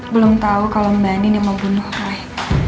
belum tahu kalau mbak andin yang membunuh roy